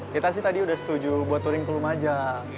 kita sih tadi udah setuju buat touring ke lumajang